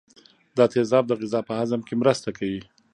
دا تیزاب د غذا په هضم کې مرسته کوي.